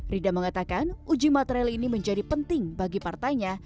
rida mengatakan uji material ini menjadi penting bagi partainya